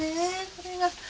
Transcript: これが。